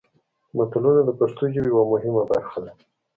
متلونه د پښتو ژبې یوه مهمه برخه ده